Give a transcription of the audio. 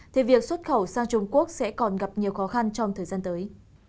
thì việc xuất khẩu sang trung quốc sẽ còn gặp nhiều khó khăn trong thời gian tới